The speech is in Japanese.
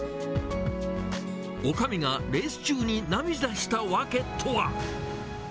女将がレース中に涙した訳とは。